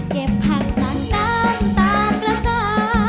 เก็บผักต่างตามตากระสา